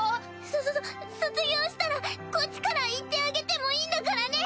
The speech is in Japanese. そそそ卒業したらこっちから行ってあげてもいいんだからね！